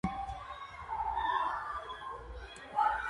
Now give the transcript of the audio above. ჰყავდა ორი ვაჟი და ერთი ქალიშვილი.